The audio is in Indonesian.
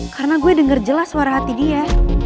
karena gue denger jelas suara hati dia